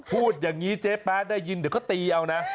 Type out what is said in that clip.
พูดอย่างนี้เจ๊แป๊ได้ยินเดี๋ยวก็ตีเอานะ